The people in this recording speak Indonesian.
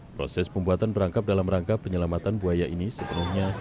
proses pembuatan perangkap dalam rangka penyelamatan buaya ini sepenuhnya